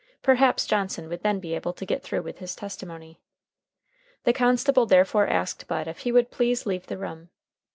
Perhaps Johnson would then be able to get through with his testimony. The constable therefore asked Bud if he would please leave the room.